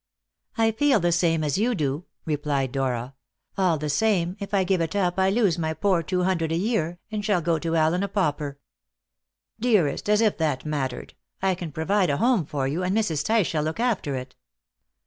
"I feel the same as you do," replied Dora. "All the same, if I give it up I lose my poor two hundred a year, and shall go to Allen a pauper." "Dearest, as if that mattered! I can provide a home for you, and Mrs. Tice shall look after it."